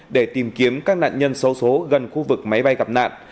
để tìm kiếm các nạn nhân số số gần khu vực máy bay gặp nạn